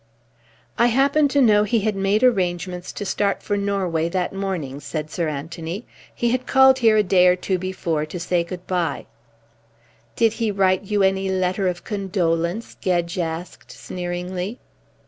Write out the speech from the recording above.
"I happen to know he had made arrangements to start for Norway that morning," said Sir Anthony. "He had called here a day or two before to say good bye." "Did he write you any letter of condolence?" Gedge asked sneeringly.